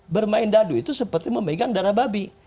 bermain dadu itu seperti memegang darah babi